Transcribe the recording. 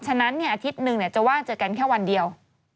ฉะนั้นอาทิตย์หนึ่งจะว่าเจอกันแค่วันเดียว